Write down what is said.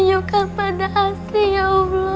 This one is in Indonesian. tunjukkan pada asri ya allah